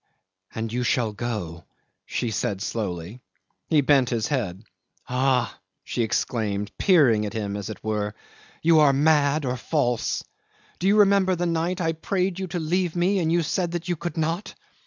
"And you shall go?" she said slowly. He bent his head. "Ah!" she exclaimed, peering at him as it were, "you are mad or false. Do you remember the night I prayed you to leave me, and you said that you could not?